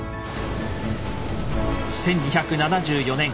１２７４年